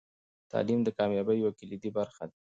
تعلیم د کامیابۍ یوه کلیدي برخه ده.